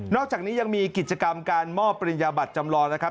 อกจากนี้ยังมีกิจกรรมการมอบปริญญาบัตรจำลองนะครับ